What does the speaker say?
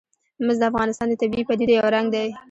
مس د افغانستان د طبیعي پدیدو یو رنګ دی.